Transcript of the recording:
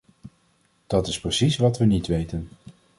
Dat is precies wat we niet weten.